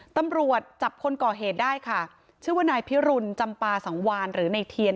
ตำรวจจับคนก่อเหตุได้ค่ะชื่อว่านายพิรุณจำปาสังวานหรือในเทียน